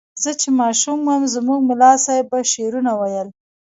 زه چې ماشوم وم زموږ ملا صیب به شعرونه ویل.